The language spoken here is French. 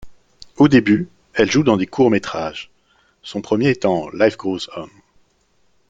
Au début, elle joue dans des courts-métrages, son premier étant Life Grows On.